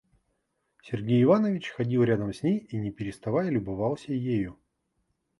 Сергей Иванович ходил рядом с ней и не переставая любовался ею.